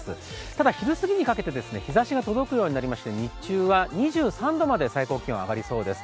ただ昼過ぎにかけて日ざしが届くようになりまして２３度まで最高気温上がりそうです。